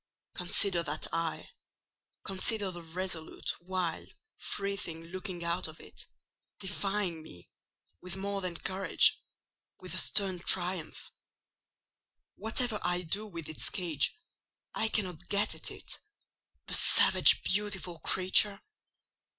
Consider that eye: consider the resolute, wild, free thing looking out of it, defying me, with more than courage—with a stern triumph. Whatever I do with its cage, I cannot get at it—the savage, beautiful creature!